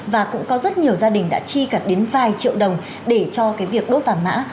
và cũng có rất nhiều gia đình đã chi cả đến vài triệu đồng để cho cái việc đốt vàng mã